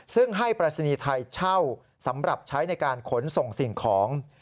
ซึ่งให้ปรายศนีย์ไทยเช่าสำหรับใช้ในการขนส่งสิ่งของ